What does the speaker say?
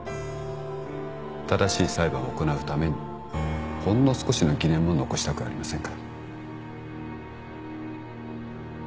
正しい裁判を行うためにほんの少しの疑念も残したくありませんから。